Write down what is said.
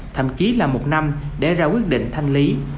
thậm chí là một năm để ra quyết định thanh lý